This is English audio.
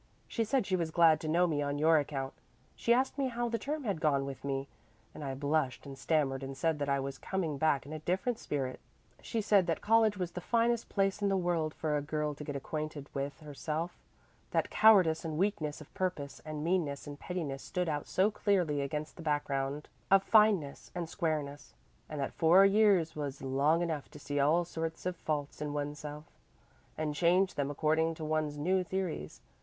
She said she was glad to know me on your account. She asked me how the term had gone with me, and I blushed and stammered and said that I was coming back in a different spirit. She said that college was the finest place in the world for a girl to get acquainted with herself that cowardice and weakness of purpose and meanness and pettiness stood out so clearly against the background of fineness and squareness; and that four years was long enough to see all sorts of faults in oneself, and change them according to one's new theories.